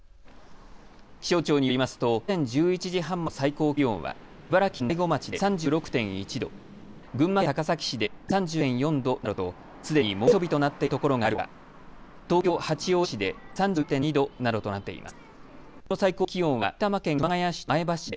気象庁によりますと午前１１時半までの最高気温は茨城県大子町で３６．１度、群馬県高崎市で３５．４度などとすでに猛暑日となっているところがあるほか東京八王子市で３４．２度などとなっています。